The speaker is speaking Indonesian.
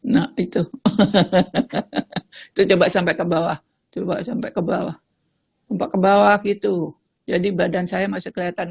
nah itu coba sampai ke bawah coba sampai ke bawah coba ke bawah gitu jadi badan saya masih kelihatan